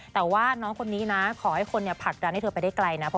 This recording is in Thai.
แต่ว่าน้องคนนี้ขอให้พักกันให้ตัวตัวไปได้ไกล